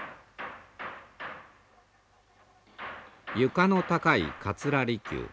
床の高い桂離宮。